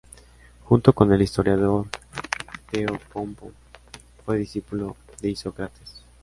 Junto con el historiador Teopompo, fue discípulo de Isócrates.